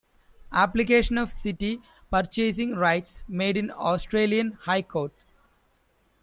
Application of Citi purchasing rights made in Australian High Court.